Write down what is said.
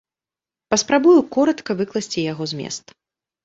Паспрабую коратка выкласці яго змест.